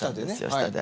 下で。